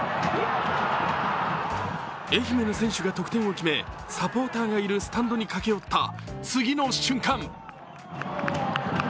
愛媛の選手が得点を決めサポーターがいるスタンドに駆け寄った次の瞬間